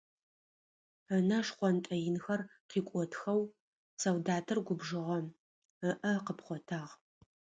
Ынэ шхъонтӏэ инхэр къикӏотхэу солдатыр губжыгъэ, ыӏэ къыпхъотагъ.